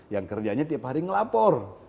yang kerjanya tiap hari ngelapor